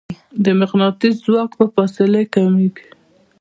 د مقناطیس ځواک په فاصلې کمېږي.